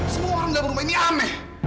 semua orang di rumah ini ameh